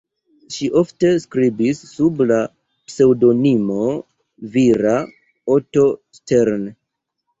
Ŝi ofte skribis sub la pseŭdonimo vira "Otto Stern".